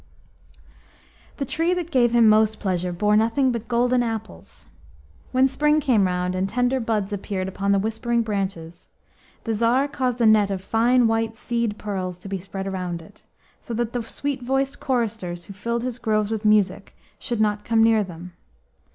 HE tree that gave him most pleasure bore nothing but golden apples. When spring came round, and tender buds appeared upon the whispering branches, the Tsar caused a net of fine white seed pearls to be spread around it, so that the sweet voiced choristers who filled his groves with music should not come near them.